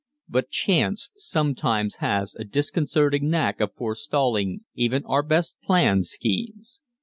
But chance sometimes has a disconcerting knack of forestalling even our best planned schemes.